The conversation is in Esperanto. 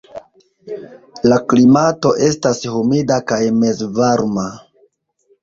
La klimato estas humida kaj mezvarma.